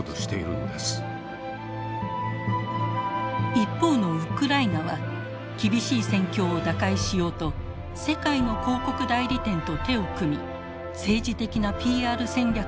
一方のウクライナは厳しい戦況を打開しようと世界の広告代理店と手を組み政治的なＰＲ戦略を展開。